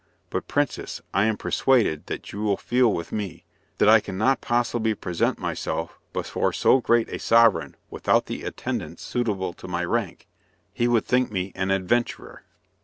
But, Princess, I am persuaded that you will feel with me, that I cannot possibly present myself before so great a sovereign without the attendants suitable to my rank. He would think me an adventurer."